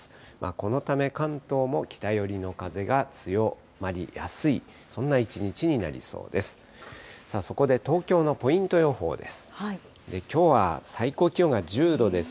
このため関東も北寄りの風が強まりやすい、そんな一日になりそうです。